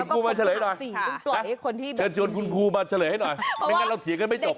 คุณครูมาเฉลยให้หน่อยไม่งั้นเราเถียงกันไม่จบ